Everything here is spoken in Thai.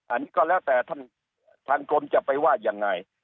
อันนี้ก็แล้วแต่ท่านทางกรมจะไปว่ายังไง